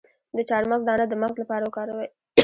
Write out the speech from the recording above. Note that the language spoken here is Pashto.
د چارمغز دانه د مغز لپاره وکاروئ